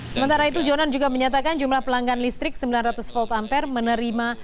sementara itu jonan juga menyatakan jumlah pelanggan listrik sembilan ratus volt ampere menerima